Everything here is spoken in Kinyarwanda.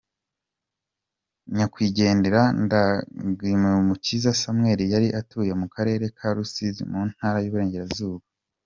Nyakwigendera Ndangamiyumukiza Samuel yari atuye mu karere ka Rusizi mu Ntara y’Uburengerazuba.